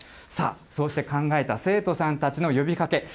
さあ、そうして考えた生徒さんたちの呼びかけ。